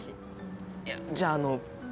いやじゃあの。